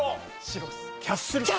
キャッスルか。